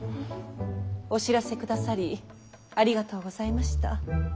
お知らせくださりありがとうございました。